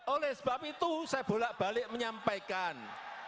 oleh sebab itu saya bolak balik menyampaikan